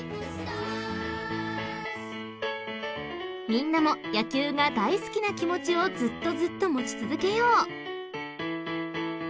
［みんなも野球が大好きな気持ちをずっとずっと持ち続けよう］